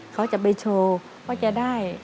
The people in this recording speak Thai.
เขาจะไปโชว์ก็จะได้